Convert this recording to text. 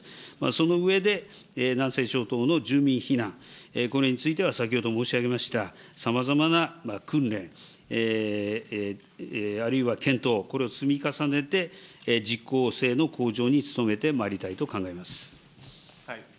その上で、南西諸島の住民避難、これについては先ほど申し上げました、さまざまな訓練あるいは検討、これを積み重ねて、実効性の向上に努めてまいりたいと考えます。